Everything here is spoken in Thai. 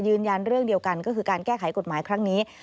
ยืนยันเรื่องเดียวกันก็คือการแก้ไขกฎหมายครั้งนี้